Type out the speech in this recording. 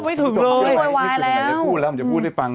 นี่ถึงไหนจะพูดแล้วจะพูดให้ฟัง